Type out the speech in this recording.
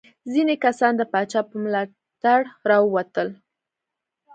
ځینې کسان د پاچا په ملاتړ راووتل.